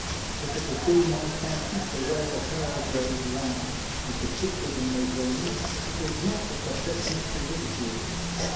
If it has been my fancy to rail her grave round, and to sit within those railings, it ought not to subject me to ridicule.